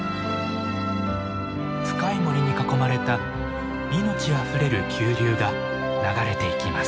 深い森に囲まれた命あふれる急流が流れていきます。